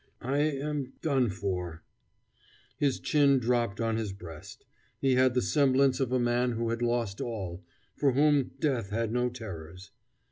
I am done for " His chin dropped on his breast. He had the semblance of a man who had lost all for whom death had no terrors.